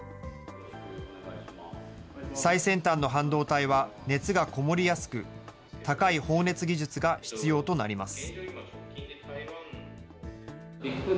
最先端の半導体は、熱が籠もりやすく、高い放熱技術が必要となります。